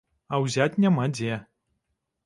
А ўзяць няма дзе.